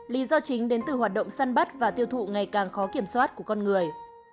lý do chính đến từ hoạt động săn bắt và tiêu thụ ngày càng khó kiểm soát của con người